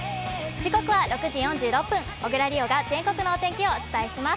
時刻は６時４６分、小椋梨央が全国のお天気をお伝えします。